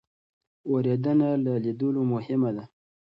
اورېدنه له لیدلو مهمه ده.